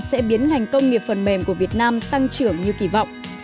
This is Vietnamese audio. sẽ biến ngành công nghiệp phần mềm của việt nam tăng trưởng như kỳ vọng